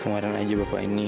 kemarin aja bapak ini